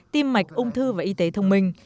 tim mạch ung thư và y tế thông minh